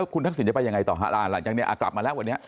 คุณทักษิณจะไปยังไงต่อฮะหลังจากนี้กลับมาแล้ววันนี้